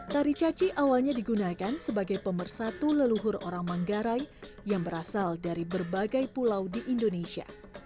tari caci awalnya digunakan sebagai pemersatu leluhur orang manggarai yang berasal dari berbagai pulau di indonesia